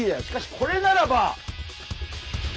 しかしこれならば。